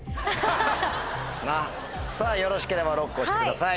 よろしければＬＯＣＫ押してください。